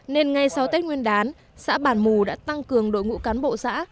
nên ngay sau tết nguyên đán xã bản mù đã tăng cường đội ngũ cán bộ xã